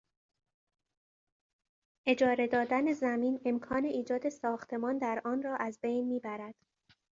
اجاره دادن زمین امکان ایجاد ساختمان در آنرا از بین میبرد.